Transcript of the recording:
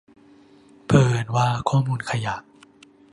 เผอิญว่าข้อมูลขยะ